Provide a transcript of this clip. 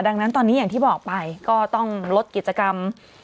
ดังนั้นตอนนี้ต้องลดกิจกรรม